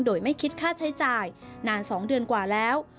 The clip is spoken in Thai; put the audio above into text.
โดยไม่คิดค่าใช้จ่ายนาน๒เดือนกว่าแล้ว